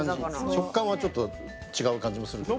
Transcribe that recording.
食感はちょっと違う感じもするけど。